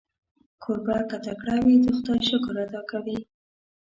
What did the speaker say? کوربه که تکړه وي، د خدای شکر ادا کوي.